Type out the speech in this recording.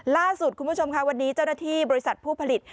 ล่าสุดคุณผู้ชมค่ะวันนี้เจ้าหน้าที่บริษัทผู้ผลิต